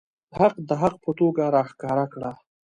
حق د حق په توګه راښکاره کړه.